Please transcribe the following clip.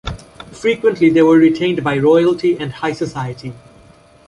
Frequently they were retained by royalty and high society.